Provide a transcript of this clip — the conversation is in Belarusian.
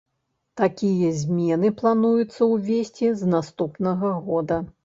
Такія змены плануецца ўвесці з наступнага года.